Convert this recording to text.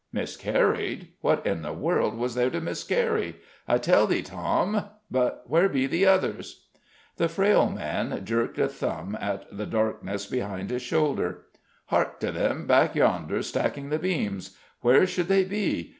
"Miscarried? What in the world was there to miscarry? I tell thee, Tom but where be the others?" The frail man jerked a thumb at the darkness behind his shoulder. "Hark to them, back yonder, stacking the beams! Where should they be?